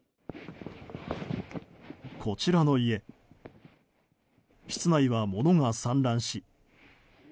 こちらの家室内は物が散乱し